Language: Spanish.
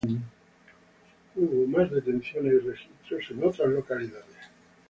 Hubo más detenciones y registros en otras localidades.